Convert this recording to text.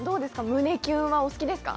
胸キュンはお好きですか？